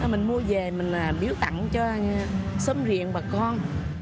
mình mua về mình biếu tặng cho xâm riêng và các bạn